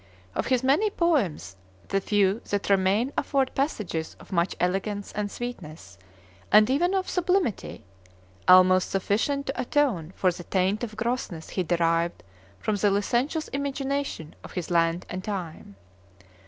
Of his many poems, the few that remain afford passages of much elegance and sweetness, and even of sublimity, almost sufficient to atone for the taint of grossness he derived from the licentious imagination of his land and time.